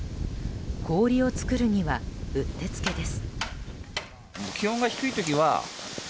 氷を作るにはうってつけです。